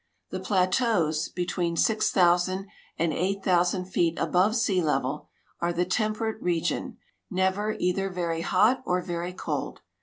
The plateaus, between six thousand and eight thousand feet above sea level, are the temperate region, never either veiy hot or very cold.